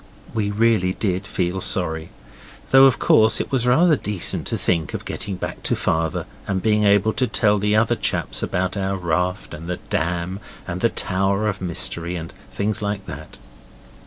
We really did feel sorry though, of course, it was rather decent to think of getting back to Father and being able to tell the other chaps about our raft, and the dam, and the Tower of Mystery, and things like that.